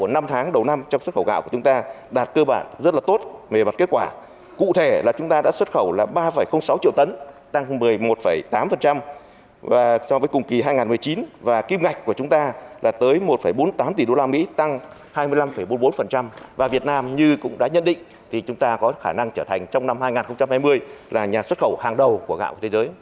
nhân định chúng ta có khả năng trở thành trong năm hai nghìn hai mươi là nhà xuất khẩu hàng đầu của gạo thế giới